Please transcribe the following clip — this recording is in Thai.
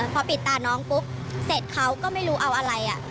พอปิดตาน้องปุ๊บเสร็จเขาก็ไม่รู้เอาอะไร